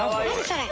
それ。